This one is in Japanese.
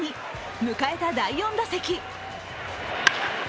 迎えた第４打席。